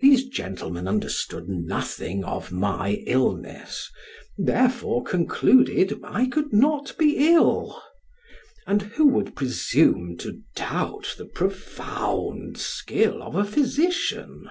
These gentlemen understood nothing of my illness, therefore concluded I could not be ill; and who would presume to doubt the profound skill of a physician?